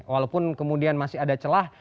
walaupun kemudian masih ada celah